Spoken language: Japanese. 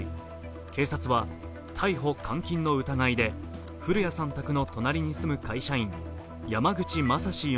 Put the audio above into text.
警察は逮捕・監禁の疑いで、古屋さん宅の隣に住む会社員、山口正司